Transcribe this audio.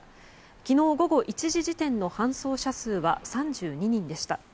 昨日午後１時時点の搬送者数は３２人でした。